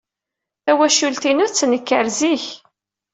Tawacult-inu tettenkar zik.